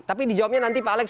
tapi di jawabnya nanti pak alex